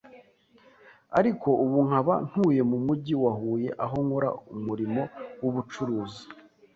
ariko ubu nkaba ntuye mu mugi wa HUYE aho nkora umurimo w’Ubucuruzi.